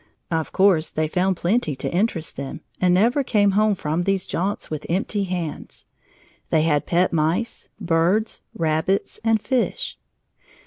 Of course they found plenty to interest them and never came home from these jaunts with empty hands. They had pet mice, birds, rabbits, and fish.